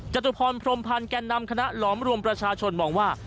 จตุพรพรมพันธ์แก่นำคณะหลอมรวมประชาชนมองว่า